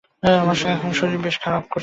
আমার এখন শরীর বেশ সেরে গেছে।